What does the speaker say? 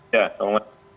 ya selamat malam